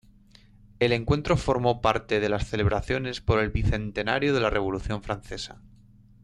El encuentro formó parte de las celebraciones por el Bicentenario de la Revolución francesa.